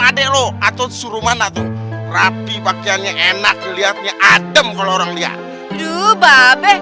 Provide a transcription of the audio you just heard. adek lo atau suruh mana tuh rapi pakaiannya enak dilihatnya adem kalau orang lihat duh babe